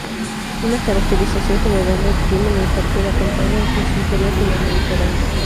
Una caracterización general del clima en el Parque La Campana lo clasificaría como mediterráneo.